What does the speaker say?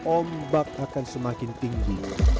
ombak akan semakin tinggi